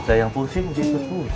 kita yang pusing jesus puh